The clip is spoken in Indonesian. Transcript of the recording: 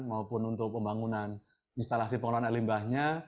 maupun untuk pembangunan instalasi pengelolaan air limbahnya